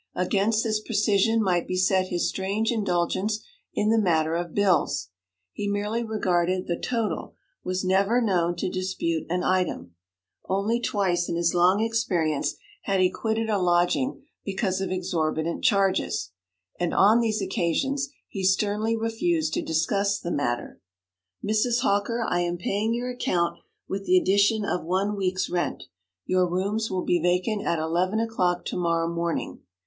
Against this precision might be set his strange indulgence in the matter of bills; he merely regarded the total, was never known to dispute an item. Only twice in his long experience had he quitted a lodging because of exorbitant charges, and on these occasions he sternly refused to discuss the matter. 'Mrs. Hawker, I am paying your account with the addition of one week's rent. Your rooms will be vacant at eleven o'clock tomorrow morning.'